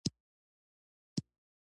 د پړانګ غږ ډېر قوي دی.